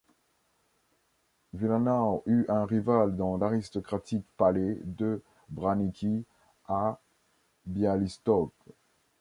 Wilanow eut un rival dans l'aristocratique palais de Branicki à Bialystok.